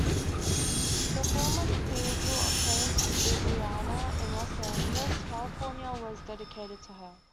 The former Cathedral of Saint Vibiana in Los Angeles, California was dedicated to her.